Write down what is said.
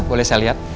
boleh saya lihat